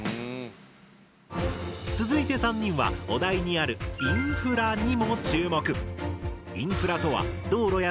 続いて３人はお題にある「インフラ」にも注目。